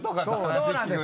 そうなんです。